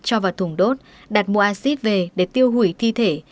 cho vào thùng đốt đặt mùa xít về để tiêu hủy thi thể